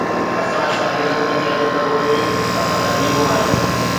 اسان شاگردن کي چيو ته اهي اسان جا هيرو آهن.